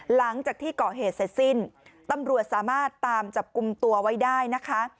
หลังจากที่เกาะเหตุเสร็จสิ้นตำรวจสามารถตามจับกลุ่มตัวไว้ได้นะคะ